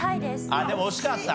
あっでも惜しかった。